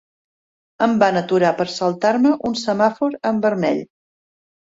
Em van aturar per saltar-me un semàfor en vermell.